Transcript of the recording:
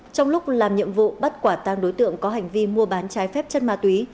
trong lúc làm nhiệm vụ bắt quả tang đối tượng có hành vi mua bán trái phép chất ma túy